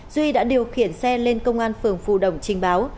duy đã điều khiển xe lên công an phường phù đồng trình báo